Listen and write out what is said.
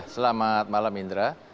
selamat malam indra